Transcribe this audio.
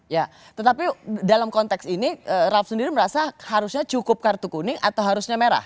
ya tetapi dalam konteks ini raff sendiri merasa harusnya cukup kartu kuning atau harusnya merah